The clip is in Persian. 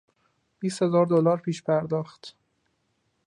بیستهزار دلار پیش پرداخت